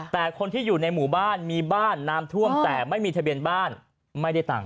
แต่คนที่อยู่ในหมู่บ้านมีบ้านน้ำท่วมแต่ไม่มีทะเบียนบ้านไม่ได้ตังค์